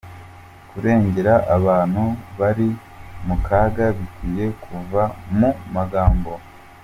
Kurengera abantu bari mu kaga, bikwiye kuva mu magambo.